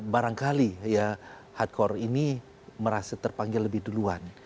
barangkali ya hardcore ini merasa terpanggil lebih duluan